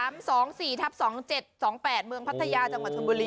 เมืองพัทยาจังหวัดธรรมบุรีนี้นะ